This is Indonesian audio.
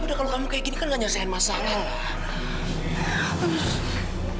udah kalau kamu kayak gini kan nggak nyelesaikan masalah lah